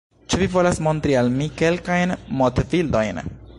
Ĉu vi volas montri al mi kelkajn modbildojn?